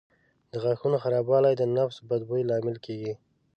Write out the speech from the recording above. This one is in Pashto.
د غاښونو خرابوالی د نفس بد بوی لامل کېږي.